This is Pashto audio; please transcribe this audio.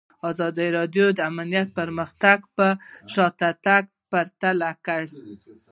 ازادي راډیو د امنیت پرمختګ او شاتګ پرتله کړی.